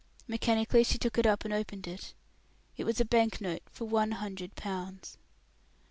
Mechanically she took it up and opened it; it was a bank note for one hundred pounds.